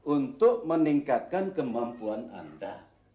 untuk meningkatkan kemampuan anda